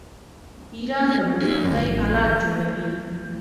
ایران د موسیقۍ الات جوړوي.